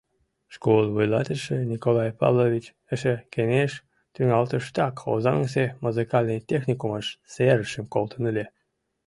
Школ вуйлатыше Николай Павлович эше кеҥеж тӱҥалтыштак Озаҥысе музыкальный техникумыш серышым колтен ыле.